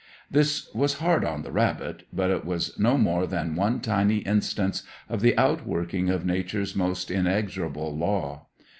This was hard on the rabbit; but it was no more than one tiny instance of the outworking of Nature's most inexorable law.